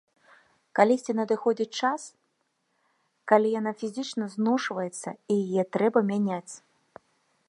Калісьці надыходзіць час, калі яна фізічна зношваецца і яе трэба мяняць.